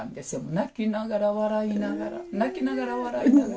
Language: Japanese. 泣きながら笑いながら泣きながら笑いながら。